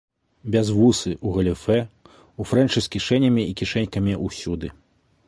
Бязвусы, у галіфэ, у фрэнчы з кішэнямі і кішэнькамі ўсюды.